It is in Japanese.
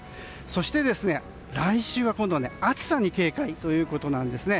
そして来週は暑さに警戒ということなんですね。